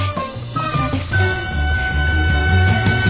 こちらです。